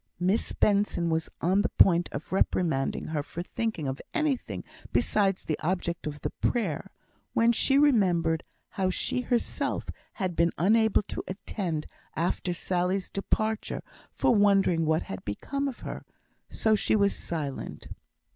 Miss Benson was on the point of reprimanding her for thinking of anything besides the object of the prayer, when she remembered how she herself had been unable to attend after Sally's departure for wondering what had become of her; so she was silent.